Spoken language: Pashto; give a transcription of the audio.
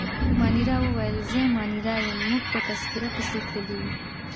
مانیرا وویل: زه مانیرا یم، موږ په تذکیره پسې تللي وو.